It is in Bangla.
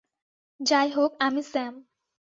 যাই হোক, আমি স্যাম।